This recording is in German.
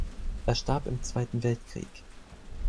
Er starb im Zweiten Weltkrieg.